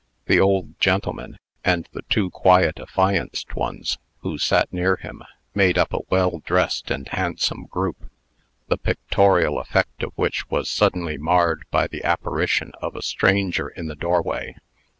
The old gentleman, and the two quiet affianced ones, who sat near him, made up a well dressed and handsome group; the pictorial effect of which was suddenly marred by the apparition of a stranger in the doorway.